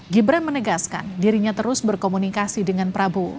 gibran menegaskan dirinya terus berkomunikasi dengan prabowo